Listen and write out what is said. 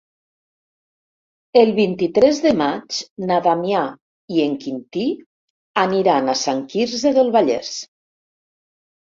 El vint-i-tres de maig na Damià i en Quintí aniran a Sant Quirze del Vallès.